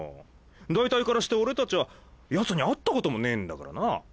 だいたいからして俺たちゃヤツに会ったこともねえんだからな。